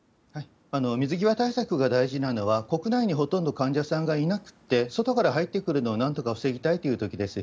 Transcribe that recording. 水際対策が大事なのは、国内にほとんど患者さんがいなくて、外から入ってくるのをなんとか防ぎたいというときです。